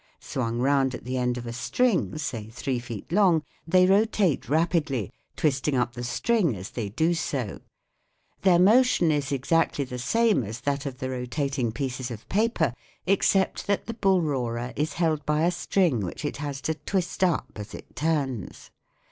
Swung round at the end of a string, say three feet long, they rotate rapidly, twisting up the string as they do so. Their motion is exactly the same n8 THE WORLD OF SOUND as that of the rotating pieces of paper, except that the bull roarer is held by a string which it has to twist up as it turns.